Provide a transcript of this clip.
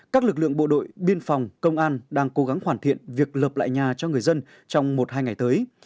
các lực lượng bộ đội biên phòng công an đang cố gắng hoàn thiện việc lợp lại nhà cho người dân trong một hai ngày tới